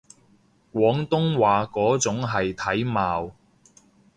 廣東話嗰種係體貌